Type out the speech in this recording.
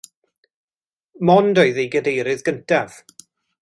Mond oedd ei gadeirydd cyntaf.